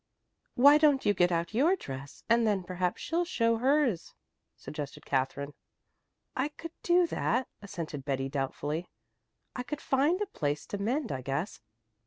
"Why don't you get out your dress, and then perhaps she'll show hers," suggested Katherine. "I could do that," assented Betty doubtfully. "I could find a place to mend, I guess.